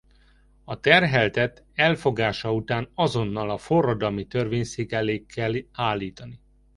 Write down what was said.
A terheltet elfogása után azonnal a forradalmi törvényszék elé kell állítani.